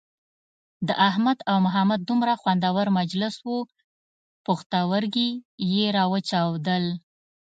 د احمد او محمد دومره خوندور مجلس وو پوښتورگي یې را وچاودل.